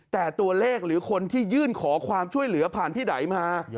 แต่ตัวเลขหรือคนที่ยื่นขอความช่วยเหลือผ่านพี่ไดมา